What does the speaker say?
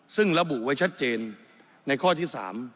ซึ่งระบุไว้ชัดเจนในข้อที่๓